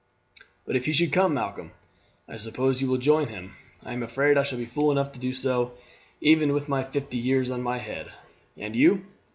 "But if he should come, Malcolm, I suppose you will join him? I am afraid I shall be fool enough to do so, even with my fifty years on my head. And you?"